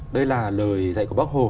đây là lời dạy của bác hồ